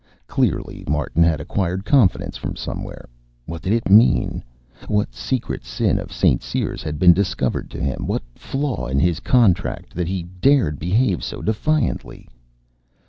Clearly Martin had acquired confidence from somewhere. What did it mean? What secret sin of St. Cyr's had been discovered to him, what flaw in his contract, that he dared behave so defiantly?